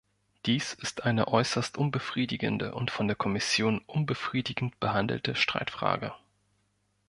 Dies ist eine äußerst unbefriedigende und von der Kommission unbefriedigend behandelte Streitfrage.